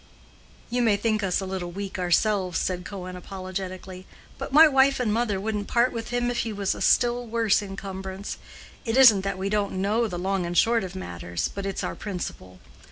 "You may think us a little weak ourselves," said Cohen, apologetically. "But my wife and mother wouldn't part with him if he was a still worse incumbrance. It isn't that we don't know the long and short of matters, but it's our principle.